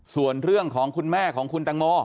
ส่วนเรื่องของคุณแม่ของคุณตังโม